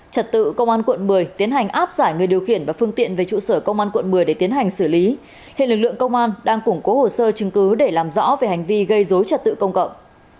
trật tự công an quận một mươi tiến hành áp giải người điều khiển và phương tiện về trụ sở công an quận một mươi để tiến hành xử lý hiện lực lượng công an đang củng cố hồ sơ chứng cứ để làm rõ về hành vi gây dối trật tự công cộng